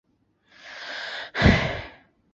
另外还有利物浦经马恩岛往贝尔法斯特的路线。